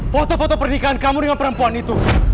foto foto pernikahan kamu dengan perempuan itu